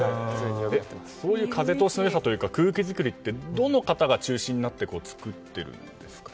そういう風通しの良さというか空気作りってどの方が中心になって作っているんですか？